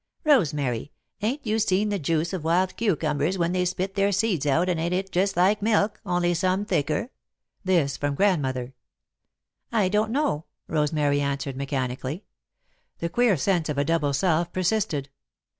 "Rosemary, ain't you seen the juice of wild cucumbers when they spit their seeds out and ain't it just like milk, only some thicker?" This from Grandmother. "I don't know," Rosemary answered, mechanically. The queer sense of a double self persisted.